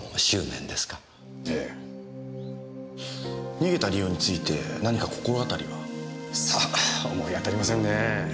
逃げた理由について何か心当たりは？さあ思い当たりませんねぇ。